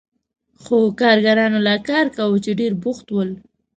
خو کارګرانو لا کار کاوه چې ډېر بوخت ول.